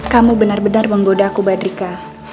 kamu benar benar menggoda aku badrika